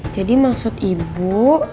jadi maksud ibu